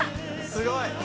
「すごいな」